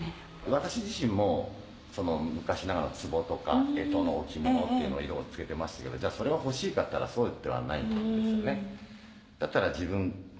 私自身も昔ながらのつぼとか干支の置物っていうの色を付けてましたけどじゃあそれが欲しいかっていったらそうではないんですよね。